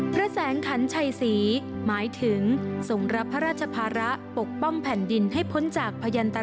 พระแสงขันชัยศรีหมายถึงส่งรับพระราชภาระปกป้องแผ่นดินให้พ้นจากพยันต